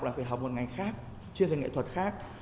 là phải học một ngành khác chuyên về nghệ thuật khác